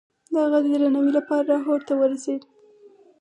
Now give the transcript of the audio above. د هغه د درناوي لپاره لاهور ته ورسي.